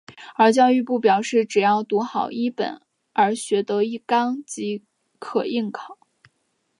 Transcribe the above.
而教育部表示只要读好一本而学得一纲即可应考。